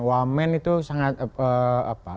wamen itu sangat apa